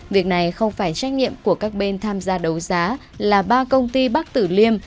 việc này không phải trách nhiệm của các bên tham gia đấu giá là ba công ty bắc tử liêm